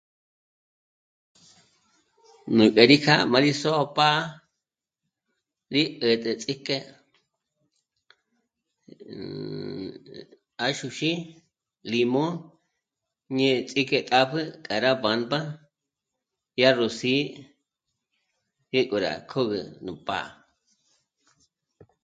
Nú dyá rí kâ'a má rí só'o pá'a, rí 'ä̀tä ts'ík'e 'àxuxí, límo... ñě'e ts'íke tàpjü ká rá mbā́mba yá ró zí'i ngéko rá k'ö̌gü nú pá'a